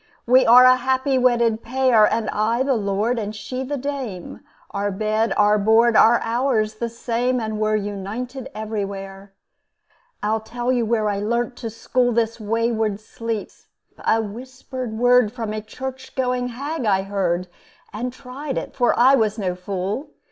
We are a happy wedded pair, And I the lord and she the dame; Our bed our board our hours the same, And we're united everywhere. I'll tell you where I learnt to school This wayward sleep: a whispered word From a church going hag I heard, And tried it for I was no fool.